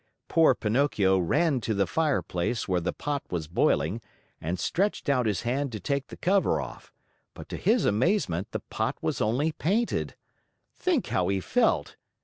Poor Pinocchio ran to the fireplace where the pot was boiling and stretched out his hand to take the cover off, but to his amazement the pot was only painted! Think how he felt!